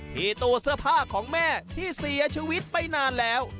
ที่ตัวเสื้อผ้าของแม่ที่เสียชีวิตไปนานแล้ว